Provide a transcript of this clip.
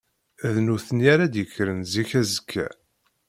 D nutni ara d-yekkren zik azekka.